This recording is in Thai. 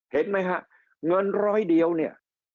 เห็นไหมฮะเงินร้อยเดียวเนี่ย